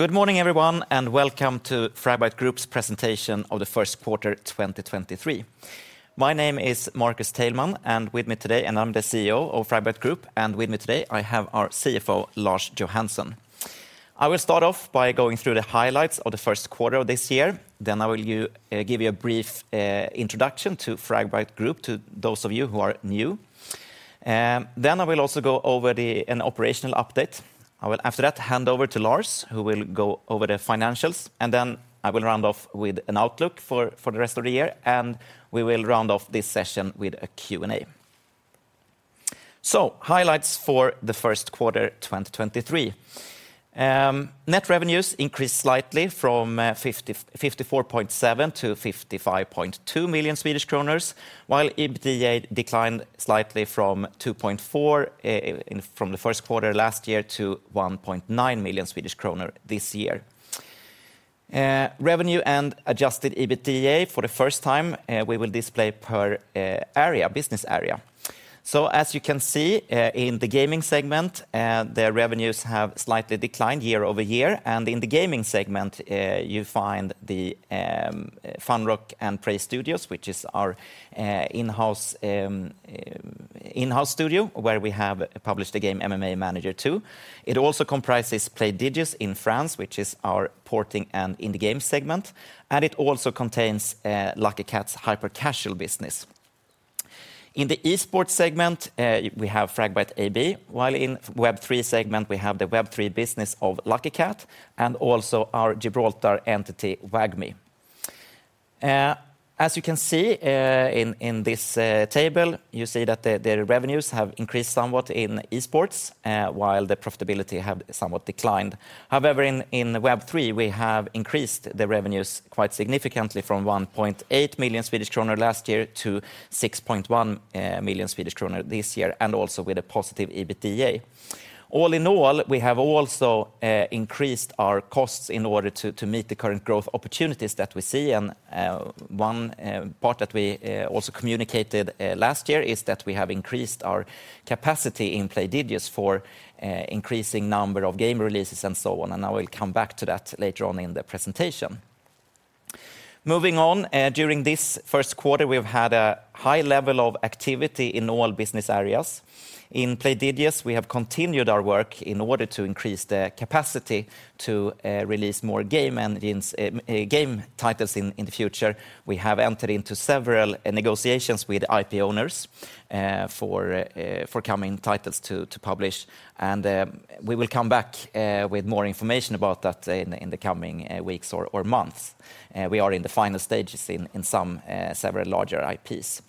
Good morning everyone, and welcome to Fragbite Group's presentation of the first quarter 2023. My name is Marcus Teilman. I'm the CEO of Fragbite Group, and with me today I have our CFO, Lars Johansson. I will start off by going through the highlights of the first quarter of this year. I will give you a brief introduction to Fragbite Group to those of you who are new. I will also go over an operational update. I will after that hand over to Lars, who will go over the financials. I will round off with an outlook for the rest of the year. We will round off this session with a Q&A. Highlights for the first quarter 2023. Net revenues increased slightly from 54.7 million to 55.2 million Swedish kronor, while EBITDA declined slightly from 2.4 million from the first quarter last year to 1.9 million Swedish kronor this year. Revenue and adjusted EBITDA for the first time, we will display per area, business area. As you can see, in the gaming segment, the revenues have slightly declined year-over-year, and in the gaming segment, you find the FunRock & Prey Studios, which is our in-house studio where we have published the game MMA Manager 2. It also comprises Playdigious in France, which is our porting and in the game segment, and it also contains Lucky Kat's hypercasual business. In the esports segment, we have Fragbite AB, while in Web3 segment we have the Web3 business of Lucky Kat and also our Gibraltar entity, WAGMI. As you can see, in this table, you see that the revenues have increased somewhat in esports, while the profitability have somewhat declined. In Web3, we have increased the revenues quite significantly from 1.8 million Swedish kronor last year to 6.1 million Swedish kronor this year, and also with a positive EBITDA. All in all, we have also increased our costs in order to meet the current growth opportunities that we see. One part that we also communicated last year is that we have increased our capacity in Playdigious for increasing number of game releases and so on. I will come back to that later on in the presentation. Moving on, during this first quarter, we've had a high level of activity in all business areas. In Playdigious, we have continued our work in order to increase the capacity to release more game and game titles in the future. We have entered into several negotiations with IP owners, for coming titles to publish. We will come back with more information about that in the coming weeks or months. We are in the final stages in several larger IPs.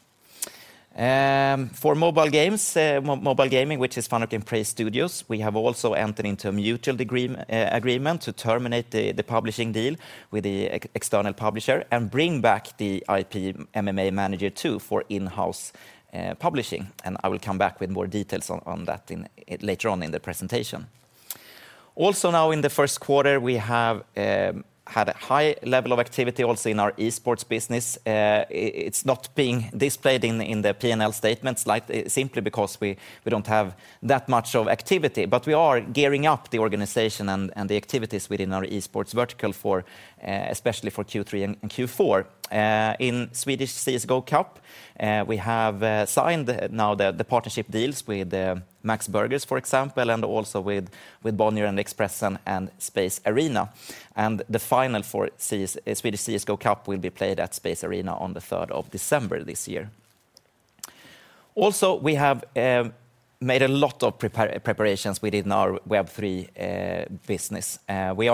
For mobile games, mobile gaming, which is FunRock & Prey Studios, we have also entered into a mutual agreement to terminate the publishing deal with the external publisher and bring back the IP MMA Manager 2 for in-house publishing, and I will come back with more details on that later on in the presentation. Also now in the first quarter, we have had a high level of activity also in our esports business. It's not being displayed in the P&L statements like simply because we don't have that much of activity. We are gearing up the organization and the activities within our esports vertical for especially for Q3 and Q4. In Swedish CS:GO Cup, we have signed now the partnership deals with MAX Burgers, for example, and also with Bonnier and Expressen and Space Arena. The final for Swedish CS:GO Cup will be played at Space Arena on the third of December this year. Also, we have made a lot of preparations within our Web3 business. We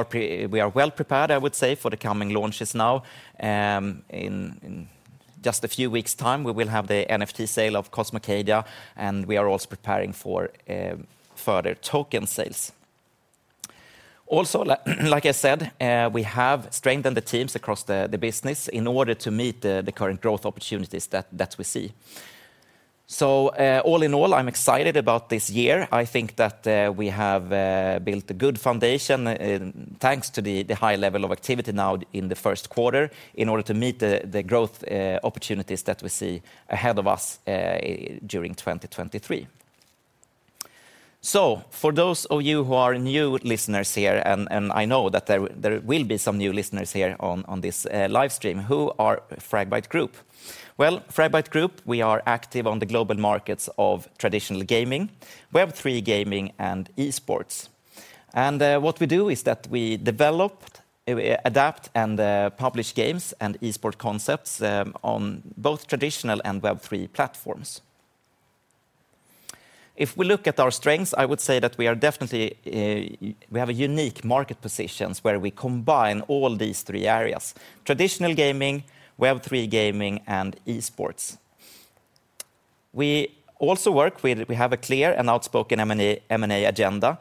are well prepared, I would say, for the coming launches now. In just a few weeks' time, we will have the NFT sale of Cosmocadia, and we are also preparing for further token sales. Also, like I said, we have strengthened the teams across the business in order to meet the current growth opportunities that we see. All in all, I'm excited about this year. I think that we have built a good foundation thanks to the high level of activity now in the first quarter in order to meet the growth opportunities that we see ahead of us during 2023. For those of you who are new listeners here, and I know that there will be some new listeners here on this live stream, who are Fragbite Group? Well, Fragbite Group, we are active on the global markets of traditional gaming, Web3 gaming, and esports. What we do is that we develop, adapt, and publish games and esports concepts on both traditional and Web3 platforms. If we look at our strengths, I would say that we are definitely, we have a unique market positions where we combine all these three areas: traditional gaming, Web3 gaming, and esports. We have a clear and outspoken M&A agenda.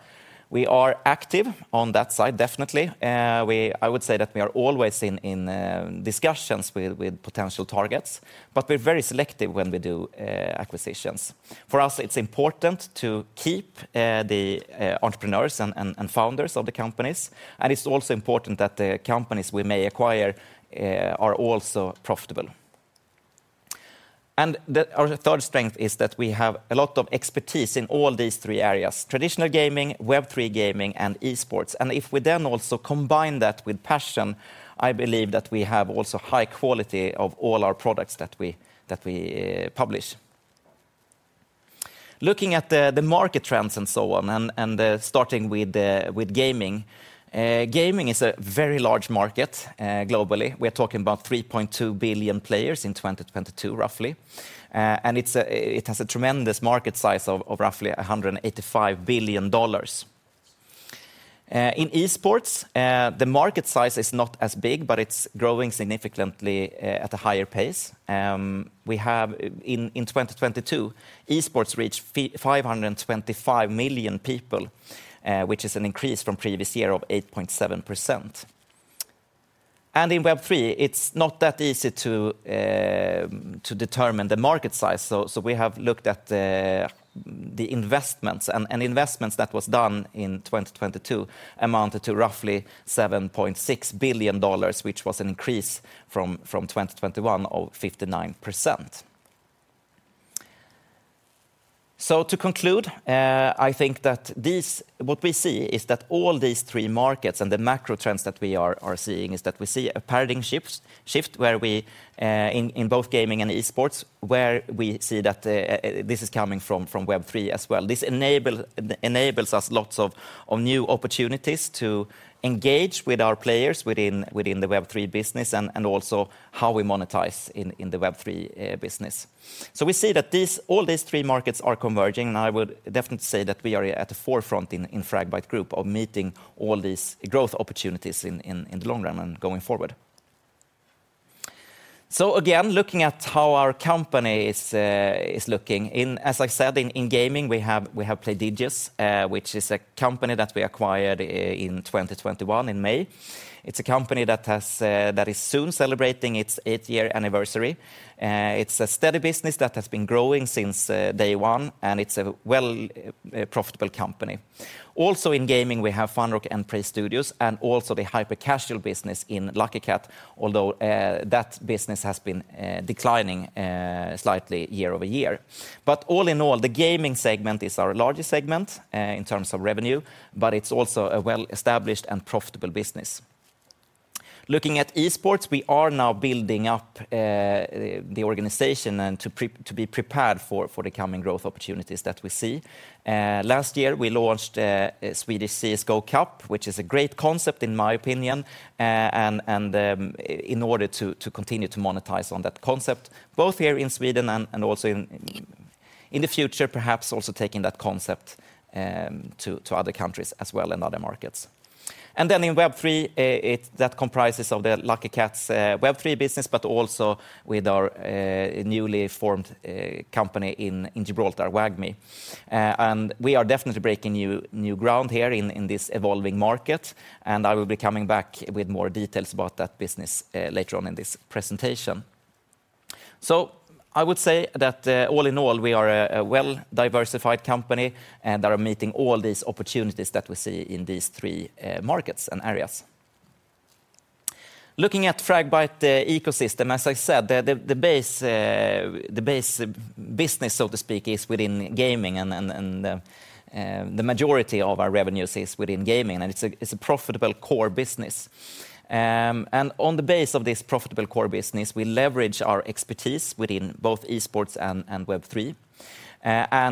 We are active on that side, definitely. I would say that we are always in discussions with potential targets, but we're very selective when we do acquisitions. For us, it's important to keep the entrepreneurs and founders of the companies, and it's also important that the companies we may acquire are also profitable. Our third strength is that we have a lot of expertise in all these three areas, traditional gaming, Web3 gaming, and esports. If we also combine that with passion, I believe that we have also high quality of all our products that we publish. Looking at the market trends, starting with gaming is a very large market globally. We're talking about 3.2 billion players in 2022 roughly. It has a tremendous market size of roughly $185 billion. In esports, the market size is not as big, it's growing significantly at a higher pace. We have in 2022, esports reached 525 million people, which is an increase from previous year of 8.7%. In Web3, it's not that easy to determine the market size, we have looked at the investments that was done in 2022 amounted to roughly $7.6 billion, which was an increase from 2021 of 59%. To conclude, I think that what we see is that all these three markets and the macro trends that we are seeing is that we see a paradigm shift where we in both gaming and esports, where we see that this is coming from Web3 as well. This enables us lots of new opportunities to engage with our players within the Web3 business and also how we monetize in the Web3 business. We see that all these three markets are converging, and I would definitely say that we are at the forefront in Fragbite Group of meeting all these growth opportunities in the long run and going forward. Again, looking at how our company is looking, as I said, in gaming, we have Playdigious, which is a company that we acquired in 2021 in May. It's a company that has that is soon celebrating its eight-year anniversary. It's a steady business that has been growing since day one, and it's a well profitable company. Also in gaming, we have FunRock & Prey Studios, and also the hyper-casual business in Lucky Kat, although that business has been declining slightly year-over-year. All in all, the gaming segment is our largest segment in terms of revenue, but it's also a well-established and profitable business. Looking at esports, we are now building up the organization to be prepared for the coming growth opportunities that we see. Last year, we launched a Swedish CS:GO Cup, which is a great concept in my opinion, and in order to continue to monetize on that concept, both here in Sweden and also in the future, perhaps also taking that concept to other countries as well and other markets. In Web3, that comprises of the Lucky Kat's Web3 business, but also with our newly formed company in Gibraltar, WAGMI. We are definitely breaking new ground here in this evolving market, and I will be coming back with more details about that business later on in this presentation. I would say that all in all, we are a well-diversified company and are meeting all these opportunities that we see in these three markets and areas. Looking at Fragbite, the ecosystem, as I said, the base business, so to speak, is within gaming and the majority of our revenues is within gaming, and it's a profitable core business. On the base of this profitable core business, we leverage our expertise within both esports and Web3.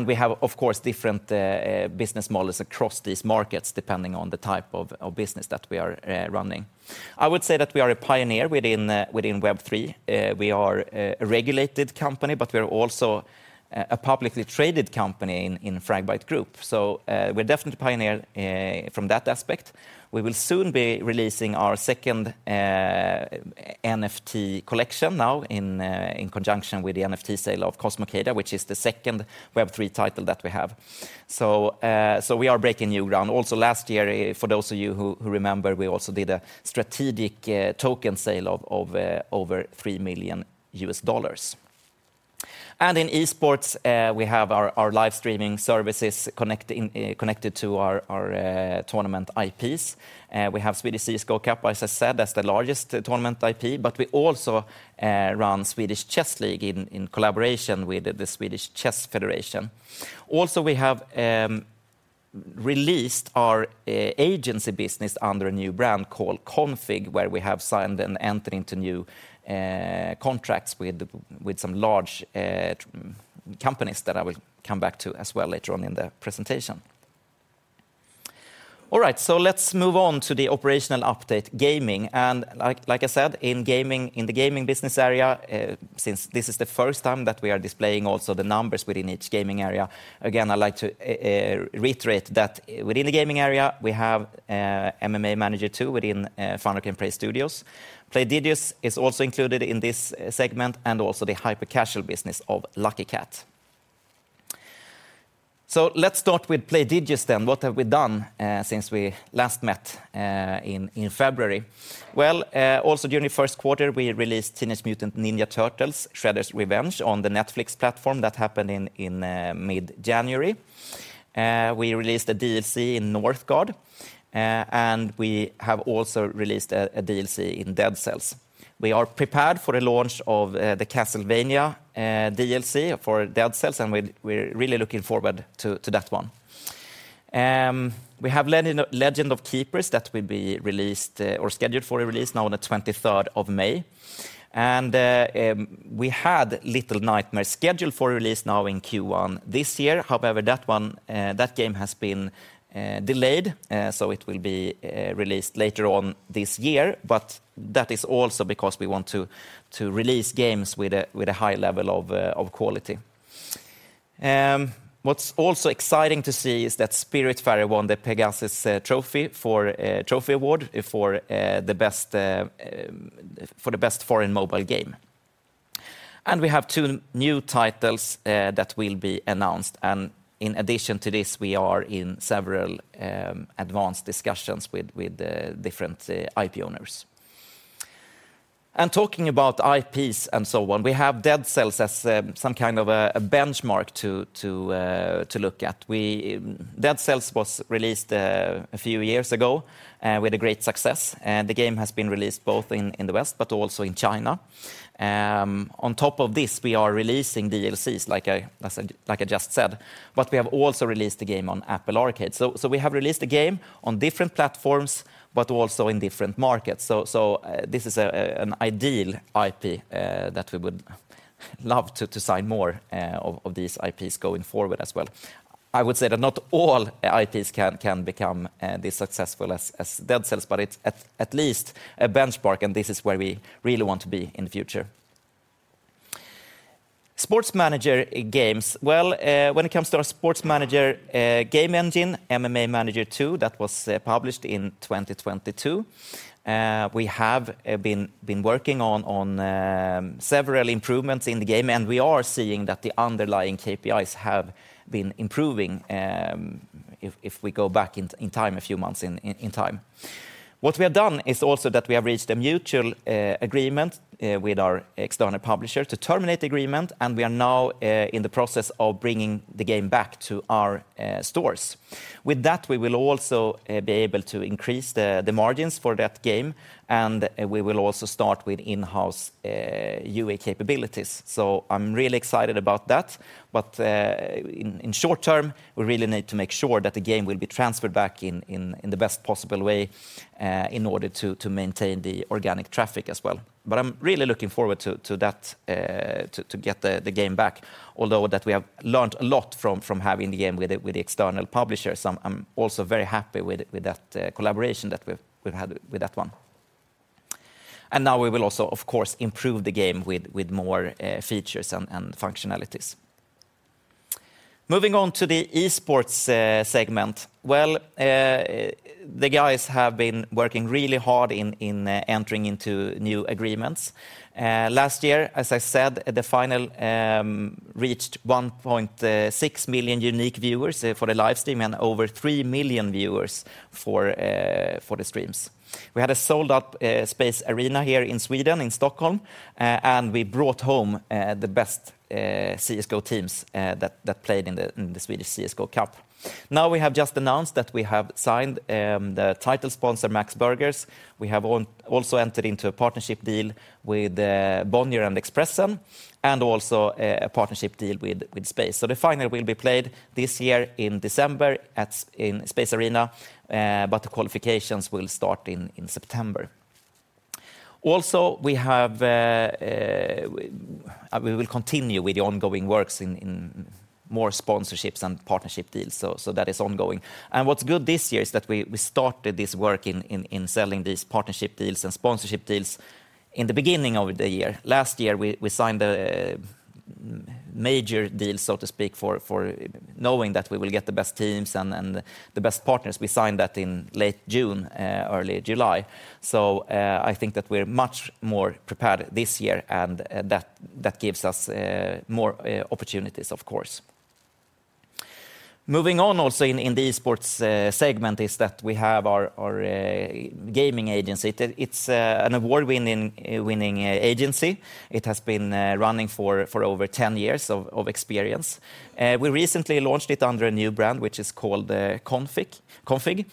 We have of course different business models across these markets depending on the type of business that we are running. I would say that we are a pioneer within Web3. We are a regulated company, but we're also a publicly traded company in Fragbite Group. We're definitely a pioneer from that aspect. We will soon be releasing our second NFT collection now in conjunction with the NFT sale of Cosmocadia, which is the second Web3 title that we have. We are breaking new ground. Last year, for those of you who remember, we also did a strategic token sale of over $3 million. In esports, we have our live streaming services connecting connected to our tournament IPs. We have Swedish CS:GO Cup, as I said, as the largest tournament IP, but we also run Swedish Chess League in collaboration with the Swedish Chess Federation. Also, we have released our agency business under a new brand called Config, where we have signed and entered into new contracts with some large companies that I will come back to as well later on in the presentation. Let's move on to the operational update gaming. Like I said, in the gaming business area, since this is the first time that we are displaying also the numbers within each gaming area, again, I'd like to iterate that within the gaming area, we have MMA Manager 2 within FunRock & Prey Studios. Playdigious is also included in this segment and also the hyper-casual business of Lucky Kat. Let's start with Playdigious then. What have we done since we last met in February? Well, also during the first quarter, we released Teenage Mutant Ninja Turtles: Shredder's Revenge on the Netflix platform. That happened in mid-January. We released a DLC in Northgard, and we have also released a DLC in Dead Cells. We are prepared for a launch of the Castlevania DLC for Dead Cells, and we're really looking forward to that one. We have Legend of Keepers that will be released, or scheduled for a release now on the 23rd of May. We had Little Nightmares scheduled for release now in Q1 this year. However, that one, that game has been delayed, so it will be released later on this year. That is also because we want to release games with a high level of quality. What's also exciting to see is that Spiritfarer won the Pégases trophy award for the best foreign mobile game. We have two new titles that will be announced. In addition to this, we are in several advanced discussions with different IP owners. Talking about IPs and so on, we have Dead Cells as some kind of a benchmark to look at. Dead Cells was released a few years ago with a great success. The game has been released both in the West but also in China. On top of this, we are releasing DLCs like I just said, but we have also released the game on Apple Arcade. We have released the game on different platforms, but also in different markets. This is an ideal IP that we would love to sign more of these IPs going forward as well. I would say that not all IPs can become this successful as Dead Cells, but it's at least a benchmark, and this is where we really want to be in the future. Sports manager games. Well, when it comes to our sports manager game engine, MMA Manager 2, that was published in 2022, we have been working on several improvements in the game, and we are seeing that the underlying KPIs have been improving, if we go back in time a few months in time. What we have done is also that we have reached a mutual agreement with our external publisher to terminate the agreement, and we are now in the process of bringing the game back to our stores. With that, we will also be able to increase the margins for that game, and we will also start with in-house UA capabilities. I'm really excited about that. In short term, we really need to make sure that the game will be transferred back in the best possible way in order to maintain the organic traffic as well. I'm really looking forward to that to get the game back, although that we have learned a lot from having the game with the external publishers. I'm also very happy with that collaboration that we've had with that one. Now we will also, of course, improve the game with more features and functionalities. Moving on to the esports segment. Well, the guys have been working really hard in entering into new agreements. Last year, as I said, the final reached 1.6 million unique viewers for the live stream and over 3 million viewers for the streams. We had a sold-out Space Arena here in Sweden, in Stockholm, and we brought home the best CS:GO teams that played in the Swedish CS:GO Cup. Now we have just announced that we have signed the title sponsor MAX Burgers. We have also entered into a partnership deal with Bonnier and Expressen, and also a partnership deal with Space. The final will be played this year in December in Space Arena, but the qualifications will start in September. Also, we have, we will continue with the ongoing works in more sponsorships and partnership deals, that is ongoing. What's good this year is that we started this work in selling these partnership deals and sponsorship deals in the beginning of the year. Last year, we signed a major deal, so to speak, for knowing that we will get the best teams and the best partners. We signed that in late June, early July. I think that we're much more prepared this year, that gives us more opportunities, of course. Moving on also in the esports segment is that we have our gaming agency. It's an award-winning agency. It has been running for over 10 years of experience. We recently launched it under a new brand, which is called Config.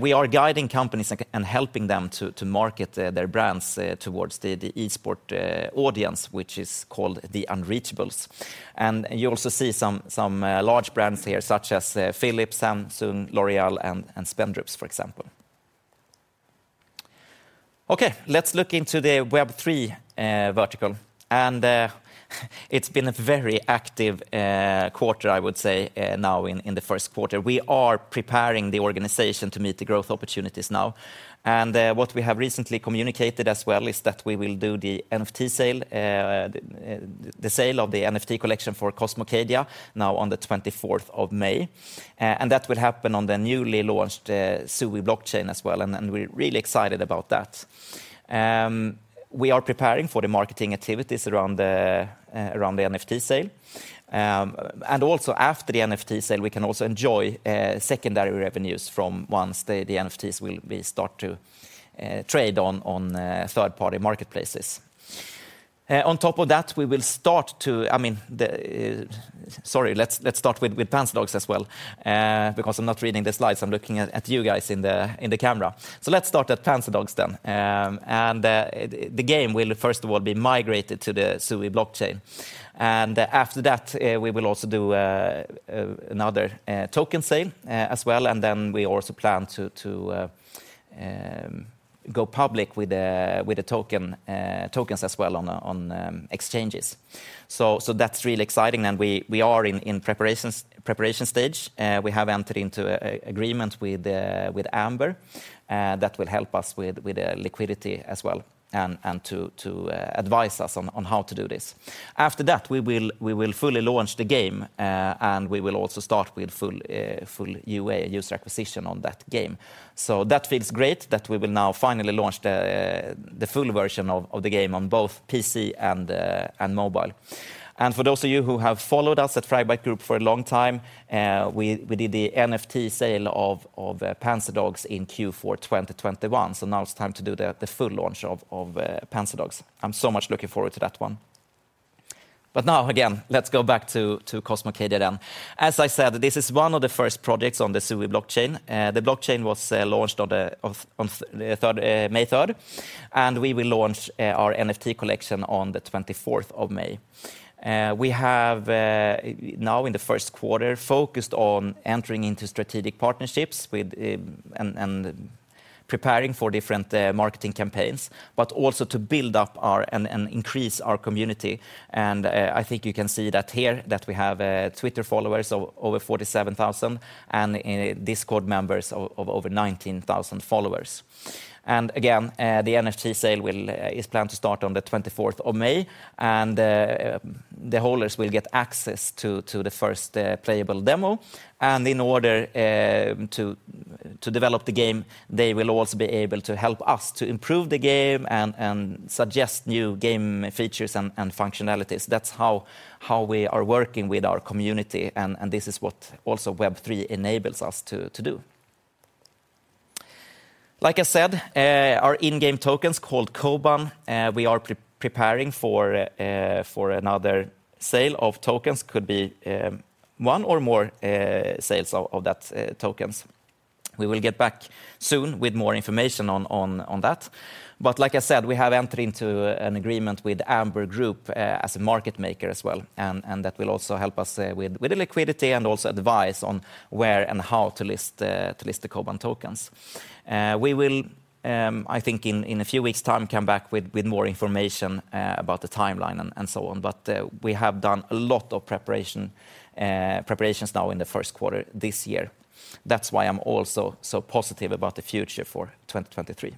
We are guiding companies and helping them to market their brands towards the esports audience, which is called the unreachables. You also see some large brands here such as Philips, Samsung, L'Oréal, and Spendrups, for example. Let's look into the Web3 vertical. It's been a very active quarter, I would say, now in the first quarter. We are preparing the organization to meet the growth opportunities now. What we have recently communicated as well is that we will do the NFT sale, the sale of the NFT collection for Cosmocadia now on the 24th of May. That will happen on the newly launched Sui blockchain as well, and we're really excited about that. We are preparing for the marketing activities around the NFT sale. Also after the NFT sale, we can also enjoy secondary revenues from once the NFTs start to trade on third-party marketplaces. On top of that, I mean, let's start with Panzerdogs as well, because I'm not reading the slides, I'm looking at you guys in the camera. Let's start at Panzerdogs then. The game will first of all be migrated to the Sui blockchain. After that, we will also do another token sale as well, and then we also plan to go public with the token, tokens as well on exchanges. That's really exciting and we are in preparation stage. We have entered into a agreement with Amber that will help us with liquidity as well and to advise us on how to do this. After that, we will fully launch the game and we will also start with full UA, user acquisition on that game. That feels great that we will now finally launch the full version of the game on both PC and mobile. For those of you who have followed us at Fragbite Group for a long time, we did the NFT sale of Panzerdogs in Q4 2021, so now it's time to do the full launch of Panzerdogs. I'm so much looking forward to that one. Now again, let's go back to Cosmocadia then. As I said, this is one of the first projects on the Sui blockchain. The blockchain was launched on May 3rd, and we will launch our NFT collection on the 24th of May. We have now in the first quarter focused on entering into strategic partnerships with and preparing for different marketing campaigns, but also to build up our and increase our community. I think you can see that here, that we have Twitter followers of over 47,000 and Discord members of over 19,000 followers. Again, the NFT sale is planned to start on the 24th of May, and the holders will get access to the first playable demo. In order to develop the game, they will also be able to help us to improve the game and suggest new game features and functionalities. That's how we are working with our community and this is what also Web3 enables us to do. Like I said, our in-game token's called KOBAN. We are pre-preparing for another sale of tokens. Could be one or more sales of that tokens. We will get back soon with more information on that. Like I said, we have entered into an agreement with Amber Group as a market maker as well, and that will also help us with the liquidity and also advise on where and how to list the $KOBAN tokens. We will, I think in a few weeks' time, come back with more information about the timeline and so on. We have done a lot of preparations now in the first quarter this year. That's why I'm also so positive about the future for 2023.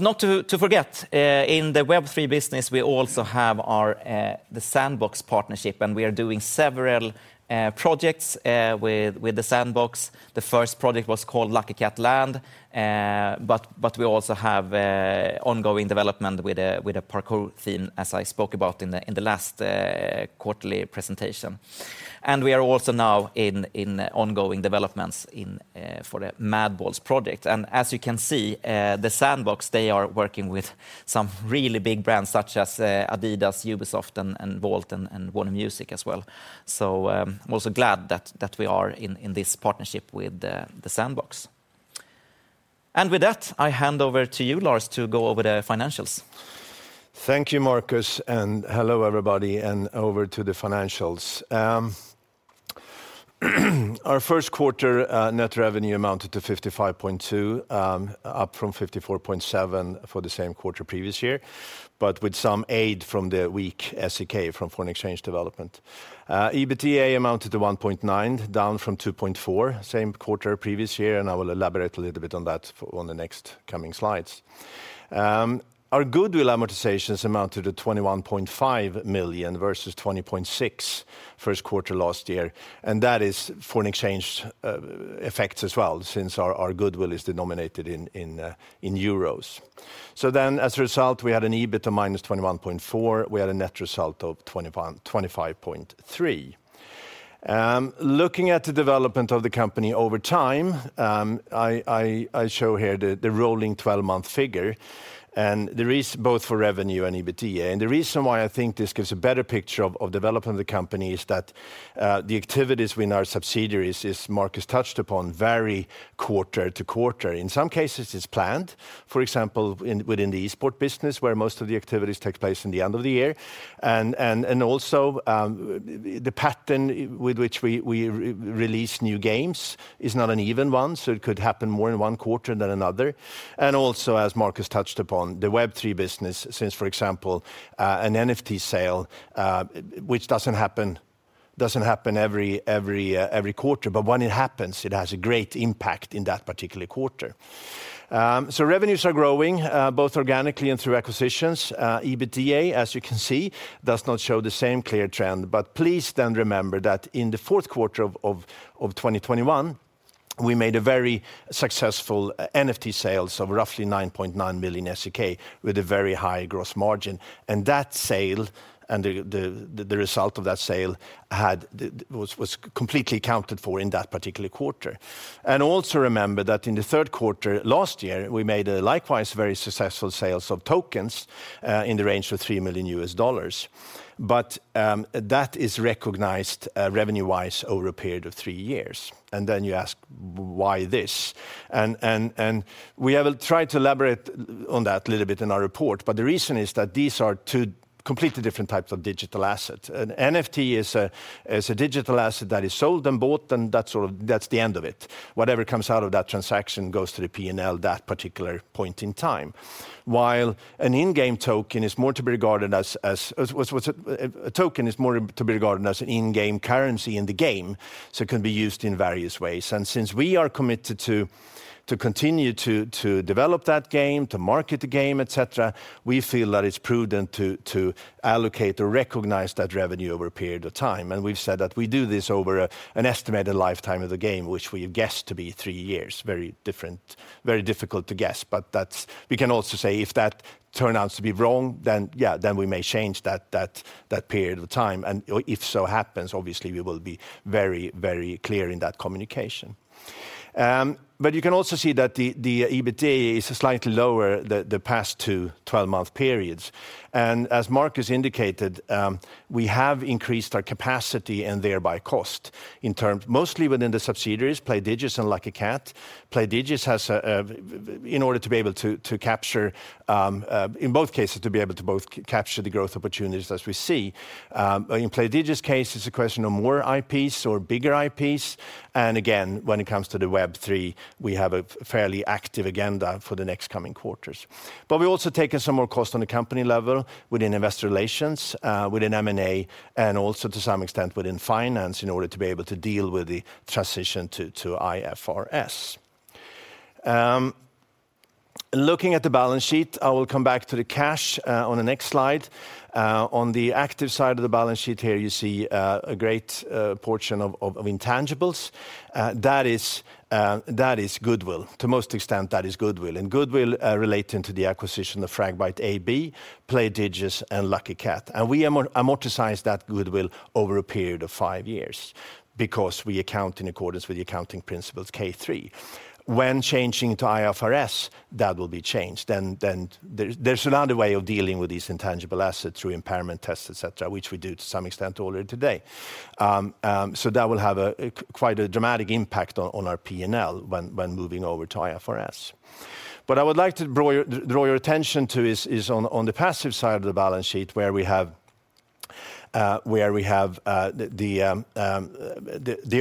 Not to forget, in the Web3 business, we also have our The Sandbox partnership, and we are doing several projects with The Sandbox. The first project was called Lucky Kat Land, but we also have ongoing development with a parkour theme, as I spoke about in the last quarterly presentation. We are also now in ongoing developments in for the Madballs project. As you can see, The Sandbox, they are working with some really big brands such as Adidas, Ubisoft, and Gucci Vault, and Warner Music as well. I'm also glad that we are in this partnership with The Sandbox. With that, I hand over to you, Lars, to go over the financials. Thank you, Marcus. Hello, everybody, and over to the financials. Our first quarter net revenue amounted to 55.2, up from 54.7 for the same quarter previous year, but with some aid from the weak SEK from foreign exchange development. EBITDA amounted to 1.9, down from 2.4 same quarter previous year, and I will elaborate a little bit on that on the next coming slides. Our goodwill amortizations amounted to 21.5 million versus 20.6 first quarter last year, and that is foreign exchange effects as well since our goodwill is denominated in euros. As a result, we had an EBIT of minus 21.4. We had a net result of 25.3. Looking at the development of the company over time, I show here the rolling 12-month figure, both for revenue and EBITDA. The reason why I think this gives a better picture of development of the company is that the activities within our subsidiaries, as Marcus touched upon, vary quarter-to-quarter. In some cases it's planned, for example, within the esports business, where most of the activities take place in the end of the year. Also, the pattern with which we re-release new games is not an even one, so it could happen more in one quarter than another. As Marcus touched upon, the Web3 business, since, for example, an NFT sale, which doesn't happen every quarter, but when it happens, it has a great impact in that particular quarter. Revenues are growing both organically and through acquisitions. EBITDA, as you can see, does not show the same clear trend, please then remember that in the fourth quarter of 2021, we made a very successful NFT sale, roughly 9.9 million SEK with a very high gross margin. That sale and the result of that sale was completely accounted for in that particular quarter. Also remember that in the third quarter last year, we made a likewise very successful sales of tokens in the range of $3 million. That is recognized, revenue-wise over a period of three years. Then you ask, why this? We have tried to elaborate on that a little bit in our report, the reason is that these are two completely different types of digital assets. An NFT is a digital asset that is sold and bought, and that's the end of it. Whatever comes out of that transaction goes to the P&L that particular point in time. While an in-game token a token is more to be regarded as in-game currency in the game, so it can be used in various ways. Since we are committed to continue to develop that game, to market the game, et cetera, we feel that it's prudent to allocate or recognize that revenue over a period of time. We've said that we do this over an estimated lifetime of the game, which we have guessed to be three years. Very difficult to guess, but we can also say if that turns out to be wrong, then yeah, then we may change that period of time. If so happens, obviously we will be very clear in that communication. You can also see that the EBITDA is slightly lower the past two twelve-month periods. As Marcus indicated, we have increased our capacity and thereby cost mostly within the subsidiaries, Playdigious and Lucky Kat. Playdigious has in order to be able to capture in both cases, to be able to both capture the growth opportunities as we see. In Playdigious case, it's a question of more IPs or bigger IPs. Again, when it comes to the Web3, we have a fairly active agenda for the next coming quarters. We've also taken some more cost on the company level within investor relations, within M&A, and also to some extent within finance in order to be able to deal with the transition to IFRS. Looking at the balance sheet, I will come back to the cash on the next slide. On the active side of the balance sheet here, you see a great portion of intangibles. That is goodwill. To most extent, that is goodwill, and goodwill relating to the acquisition of Fragbite AB, Playdigious, and Lucky Kat. We amortize that goodwill over a period of five years because we account in accordance with the accounting principles K3. When changing to IFRS, that will be changed. There's another way of dealing with these intangible assets through impairment tests, et cetera, which we do to some extent already today. That will have a quite a dramatic impact on our P&L when moving over to IFRS. What I would like to draw your attention to is on the passive side of the balance sheet where we have the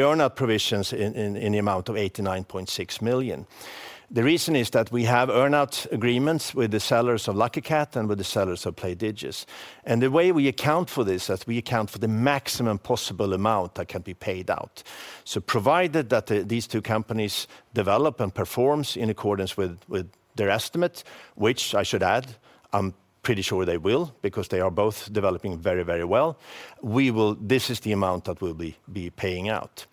earn out provisions in the amount of 89.6 million. The reason is that we have earn out agreements with the sellers of Lucky Kat and with the sellers of Playdigious. The way we account for this is we account for the maximum possible amount that can be paid out. Provided that these two companies develop and performs in accordance with their estimate, which I should add, I'm pretty sure they will because they are both developing very, very well, we will this is the amount that we'll be paying out.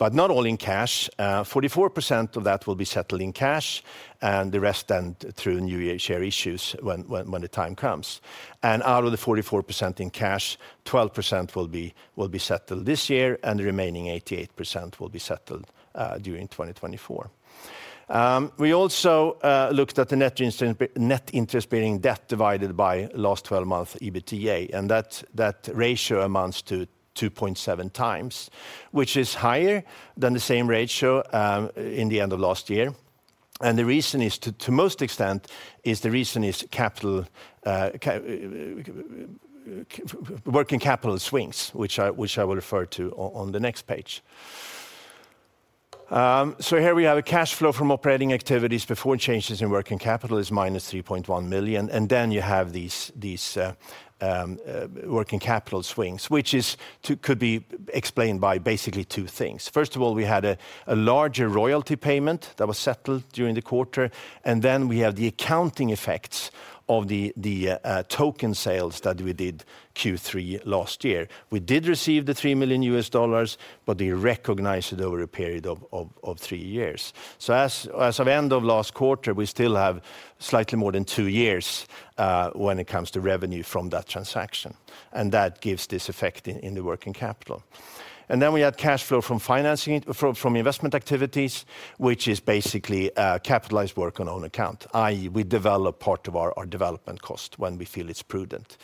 Not all in cash. 44% of that will be settled in cash and the rest then through new share issues when the time comes. Out of the 44% in cash, 12% will be settled this year, and the remaining 88% will be settled during 2024. We also looked at the net interest, net interest-bearing debt divided by last 12-month EBITDA, and that ratio amounts to 2.7 times, which is higher than the same ratio in the end of last year. The reason is to most extent, capital working capital swings, which I will refer to on the next page. Here we have a cash flow from operating activities before changes in working capital is -3.1 million. Then you have these working capital swings, which could be explained by basically two things. First of all, we had a larger royalty payment that was settled during the quarter. Then we have the accounting effects of the token sales that we did Q3 last year. We did receive the $3 million, but we recognized it over a period of three years. As of end of last quarter, we still have slightly more than two years when it comes to revenue from that transaction, and that gives this effect in the working capital. Then we had cash flow from financing from investment activities, which is basically capitalized work on own account, i.e., we develop part of our development cost when we feel it's prudent.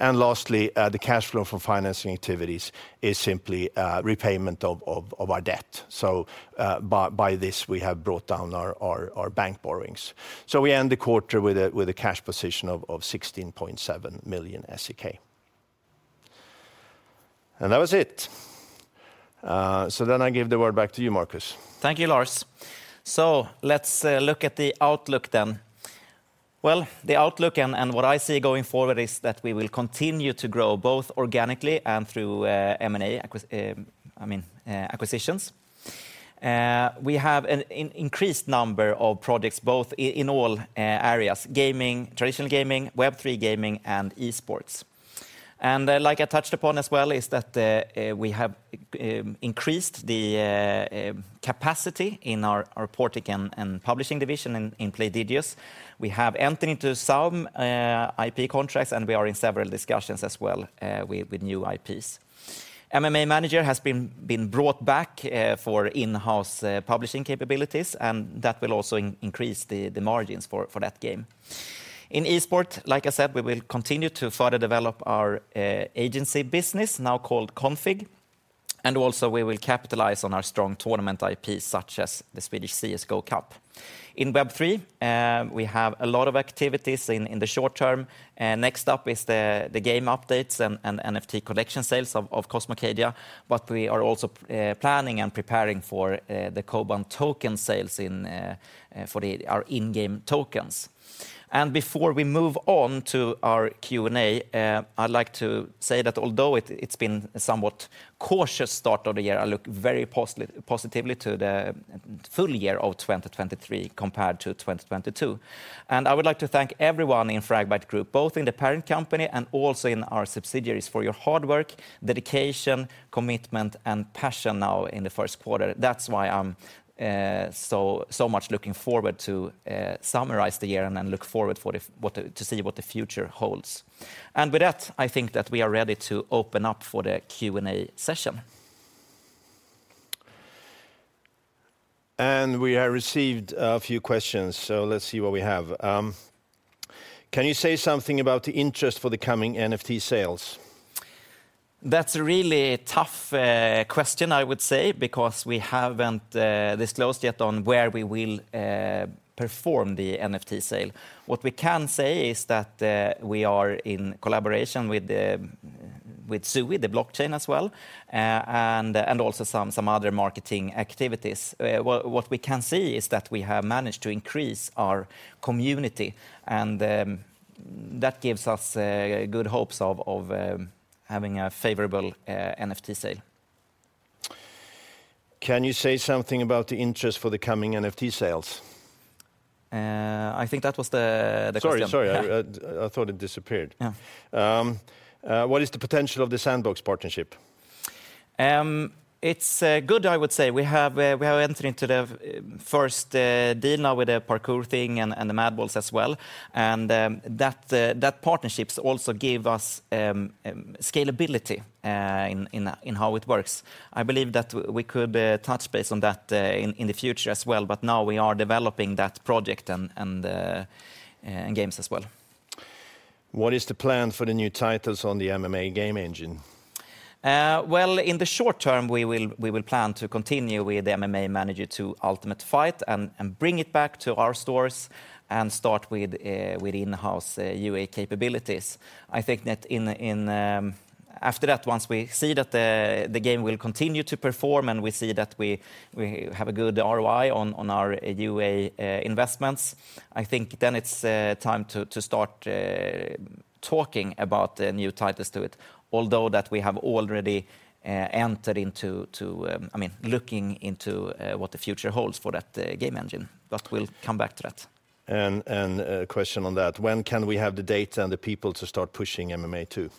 Lastly, the cash flow from financing activities is simply repayment of our debt. By this, we have brought down our bank borrowings. We end the quarter with a cash position of 16.7 million SEK. That was it. I give the word back to you, Marcus. Thank you, Lars. Let's look at the outlook then. The outlook and what I see going forward is that we will continue to grow both organically and through M&A acquisitions. We have an increased number of projects both in all areas, gaming, traditional gaming, Web3 gaming, and esports. Like I touched upon as well is that we have increased the capacity in our port again and publishing division in Playdigious. We have entered into some IP contracts, and we are in several discussions as well with new IPs. MMA Manager has been brought back for in-house publishing capabilities, and that will also increase the margins for that game. In esports, like I said, we will continue to further develop our agency business, now called Config, and also we will capitalize on our strong tournament IP such as the Swedish CS:GO Cup. In Web3, we have a lot of activities in the short term. Next up is the game updates and NFT collection sales of Cosmocadia, but we are also planning and preparing for the $KOBAN token sales in our in-game tokens. Before we move on to our Q&A, I'd like to say that although it's been a somewhat cautious start of the year, I look very positively to the full year of 2023 compared to 2022. I would like to thank everyone in Fragbite Group, both in the parent company and also in our subsidiaries for your hard work, dedication, commitment, and passion now in the first quarter. That's why I'm so much looking forward to summarize the year and then look forward for what the future holds. With that, I think that we are ready to open up for the Q&A session. We have received a few questions, so let's see what we have. Can you say something about the interest for the coming NFT sales? That's a really tough question, I would say, because we haven't disclosed yet on where we will perform the NFT sale. What we can say is that we are in collaboration with Sui, the blockchain as well, and also some other marketing activities. What we can say is that we have managed to increase our community and that gives us good hopes of having a favorable NFT sale. Can you say something about the interest for the coming NFT sales? I think that was the question. Sorry. I thought it disappeared. What is the potential of The Sandbox partnership? It's good, I would say. We have entered into the first deal now with the parkour thing and the Madballs as well, that partnerships also give us scalability in how it works. I believe that we could touch base on that in the future as well, but now we are developing that project and games as well. What is the plan for the new titles on the MMA game engine? Well, in the short term, we will plan to continue with MMA Manager 2: Ultimate Fight and bring it back to our stores and start with in-house UA capabilities. I think that in after that, once we see that the game will continue to perform and we see that we have a good ROI on our UA investments, I think then it's time to start talking about the new titles to it. Although that we have already entered into I mean, looking into what the future holds for that game engine, but we'll come back to that. A question on that. When can we have the data and the people to start pushing MMA too?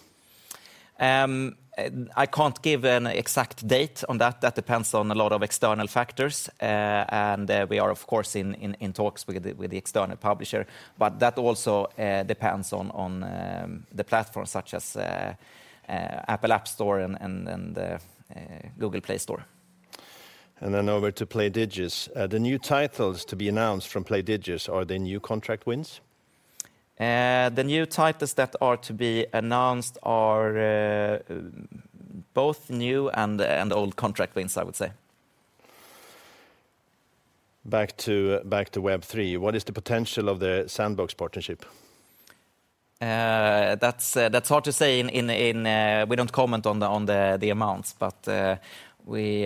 I can't give an exact date on that. That depends on a lot of external factors. We are of course in talks with the external publisher, that also depends on the platform such as Apple App Store and Google Play Store. Over to Playdigious. The new titles to be announced from Playdigious, are they new contract wins? The new titles that are to be announced are both new and old contract wins, I would say. Back to Web3. What is the potential of The Sandbox partnership? That's hard to say. We don't comment on the amounts, but we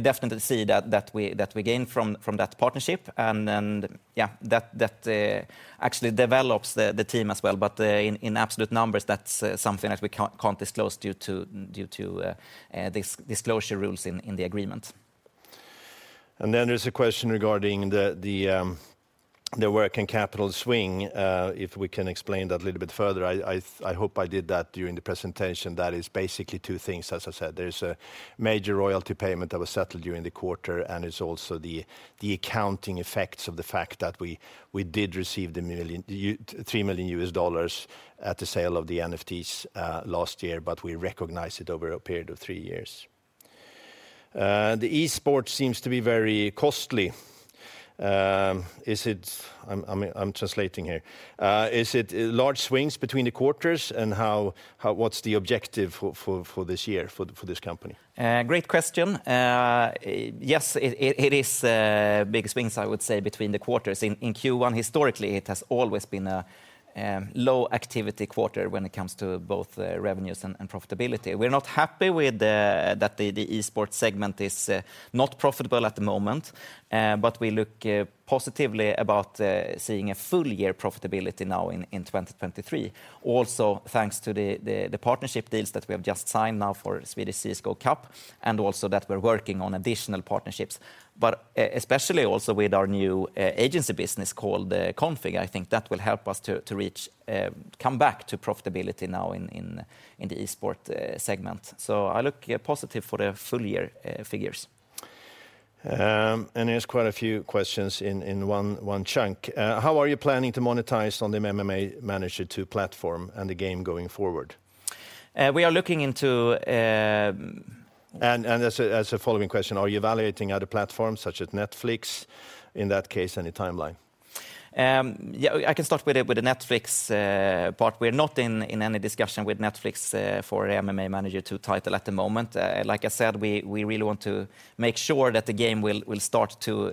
definitely see that we gain from that partnership and then, yeah, that actually develops the team as well. In absolute numbers, that's something that we can't disclose due to disclosure rules in the agreement. Then there's a question regarding the working capital swing, if we can explain that a little bit further. I hope I did that during the presentation. That is basically two things, as I said. There's a major royalty payment that was settled during the quarter. It's also the accounting effects of the fact that we did receive the $3 million at the sale of the NFTs last year, but we recognize it over a period of three years. Esports seems to be very costly. I'm translating here. Is it large swings between the quarters, and what's the objective for this year for Fragbite Group? Great question. Yes, it is big swings, I would say, between the quarters. In Q1 historically, it has always been a low activity quarter when it comes to both the revenues and profitability. We're not happy that the esports segment is not profitable at the moment, but we look positively about seeing a full year profitability now in 2023. Also, thanks to the partnership deals that we have just signed now for Swedish CS:GO Cup and also that we're working on additional partnerships. Especially also with our new agency business called Config, I think that will help us to reach, come back to profitability now in the esports segment. I look positive for the full year figures. There's quite a few questions in one chunk. How are you planning to monetize on the MMA Manager 2 platform and the game going forward? We are looking into- As a following question, are you evaluating other platforms such as Netflix? In that case, any timeline? Yeah, I can start with the Netflix part. We're not in any discussion with Netflix for MMA Manager 2 title at the moment. Like I said, we really want to make sure that the game will start to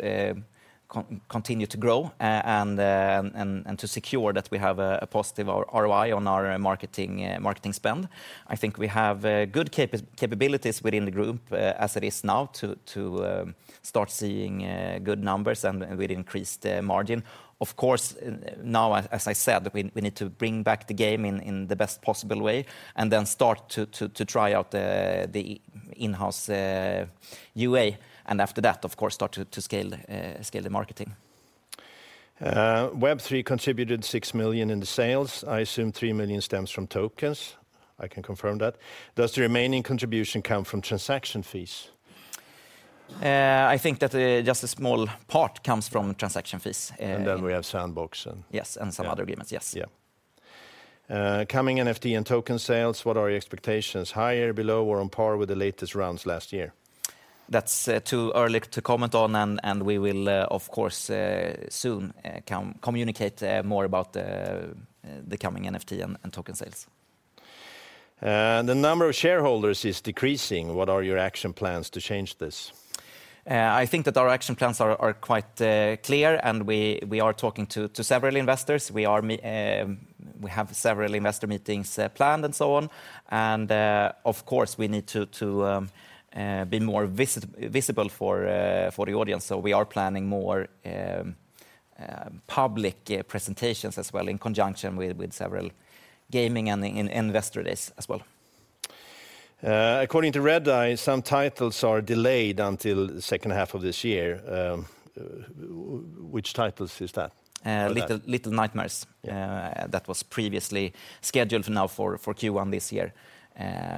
continue to grow, and to secure that we have a positive ROI on our marketing spend. I think we have good capabilities within the group as it is now to start seeing good numbers and with increased margin. Of course, now, as I said, we need to bring back the game in the best possible way and then start to try out the in-house UA, and after that, of course, start to scale the marketing. Web3 contributed 6 million in the sales. I assume 3 million stems from tokens. I can confirm that. Does the remaining contribution come from transaction fees? I think that, just a small part comes from transaction fees. We have The Sandbox. Yes, some other agreements. Yes. Yeah. Coming NFT and token sales, what are your expectations? Higher, below, or on par with the latest rounds last year? That's, too early to comment on, and we will, of course, soon communicate, more about the coming NFT and token sales. The number of shareholders is decreasing. What are your action plans to change this? I think that our action plans are quite clear. We are talking to several investors. We have several investor meetings planned and so on. Of course, we need to be more visible for the audience. We are planning more public presentations as well in conjunction with several gaming and investor days as well. According to Redeye, some titles are delayed until the second half of this year. Which titles is that? Little Nightmares, that was previously scheduled for Q1 this year,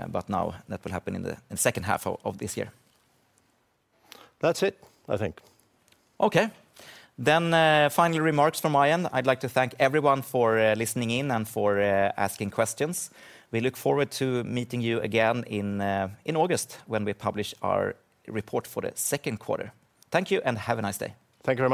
but now that will happen in the second half of this year. That's it, I think. Okay. Final remarks from my end. I'd like to thank everyone for listening in and for asking questions. We look forward to meeting you again in August when we publish our report for the second quarter. Thank you, have a nice day. Thank you very much.